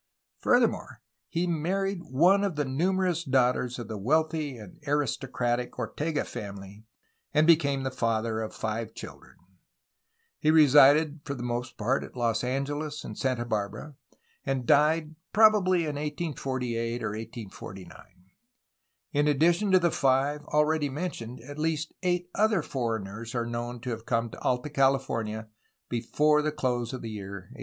Furthermore, he married one of the numerous daughters of the wealthy and aristocratic Ortega family, and became the father of five children. He resided for the most part at Los Angeles and Santa Barbara, and died probably in 1848 or 1849. In addition to the five already mentioned, at least eight other foreigners are known to have come to Alta California before the close of the year 1818.